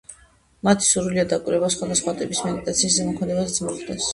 მათი სურვილია, დაკვირვება სხვადასხვა ტიპის მედიტაციის ზემოქმედებაზეც მოხდეს.